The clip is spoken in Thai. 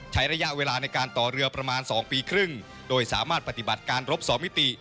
ระยะเวลาในการต่อเรือประมาณ๒ปีครึ่งโดยสามารถปฏิบัติการรบ๒มิติ